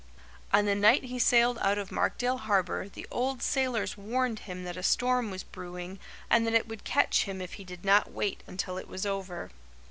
On the night he sailed out of Markdale Harbour the old sailors warned him that a storm was brewing and that it would catch him if he did not wait until it was over.